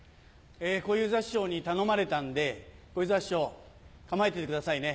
小遊三師匠に頼まれたんで小遊三師匠構えててくださいね。